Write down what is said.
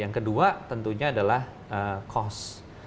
yang kedua tentunya adalah cost